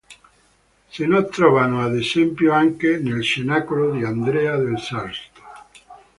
Se ne trovano ad esempio anche nel Cenacolo di Andrea del Sarto.